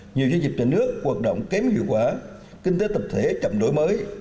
nhiều doanh nghiệp trong nước hoạt động kém hiệu quả kinh tế tập thể chậm đổi mới